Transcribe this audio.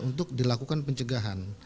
untuk dilakukan pencegahan